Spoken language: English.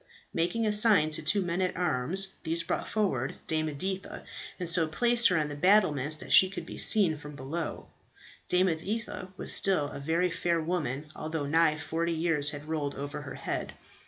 Making a sign to two men at arms, these brought forward Dame Editha and so placed her on the battlements that she could be seen from below. Dame Editha was still a very fair woman, although nigh forty years had rolled over her head.